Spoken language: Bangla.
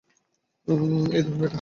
এই ধর ব্যাটা।